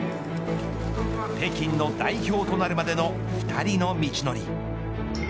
北京の代表となるまでの２人の道のり。